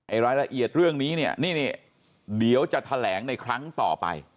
รายละเอียดเรื่องนี้เนี่ยนี่เดี๋ยวจะแถลงในครั้งต่อไป